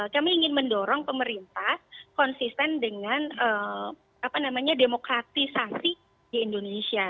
kami ingin mendorong pemerintah konsisten dengan demokratisasi di indonesia